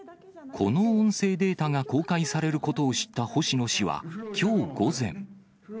この音声データが公開されることを知った星野氏はきょう午前。